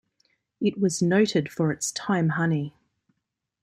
It was noted for its thyme honey.